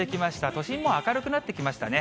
都心も明るくなってきましたね。